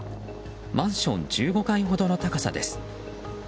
マンション１５階ほどの高さです。